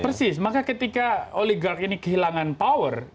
persis maka ketika oligark ini kehilangan power